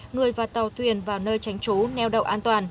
người và tàu tuyền vào nơi tránh trú neo động